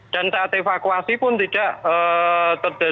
dan saat evakuasi pun tidak terdapat